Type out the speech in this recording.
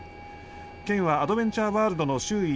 県はアドベンチャーワールドの周囲